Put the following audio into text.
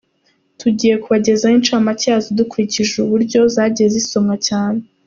Tugiye kubagezaho incamake yazo dukurikije uburyo zagiye zisomwa cyane .